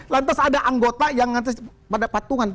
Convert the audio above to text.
lantas ada anggota yang mengantris pada patungan